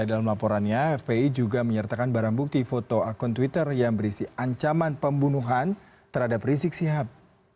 dalam laporannya fpi juga menyertakan barang bukti foto akun twitter yang berisi ancaman pembunuhan terhadap rizik sihab